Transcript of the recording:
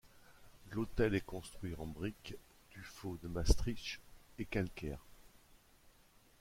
L'hôtel est construit en brique, tuffeau de Maastricht et calcaire.